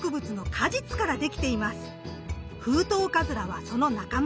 フウトウカズラはその仲間。